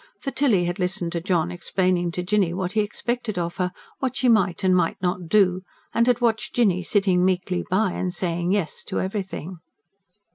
For Tilly had listened to John explaining to Jinny what he expected of her, what she might and might not do; and had watched Jinny sitting meekly by and saying yes to everything.